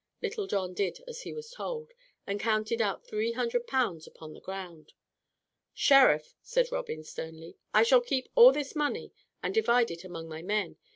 Little John did as he was told, and counted out three hundred pounds upon the ground. "Sheriff," said Robin sternly, "I shall keep all this money and divide it among my men.